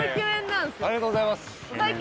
ありがとうございます。